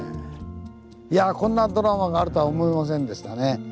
いやこんなドラマがあるとは思いませんでしたね。